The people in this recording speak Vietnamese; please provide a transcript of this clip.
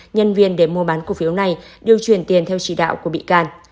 nhân viên để mua bán cổ phiếu này được chuyển tiền theo chỉ đạo của bị can